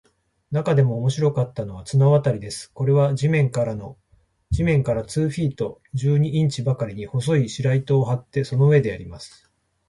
なかでも面白かったのは、綱渡りです。これは地面から二フィート十二インチばかりに、細い白糸を張って、その上でやります。